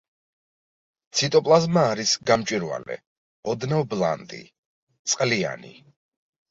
ციტოპლაზმა არის გამჭვირვალე, ოდნავ ბლანტი, წყლიანი.